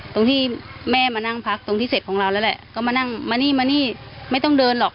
ตรงที่แม่มานั่งพักตรงที่เสร็จของเราแล้วแหละก็มานั่งมานี่มานี่ไม่ต้องเดินหรอก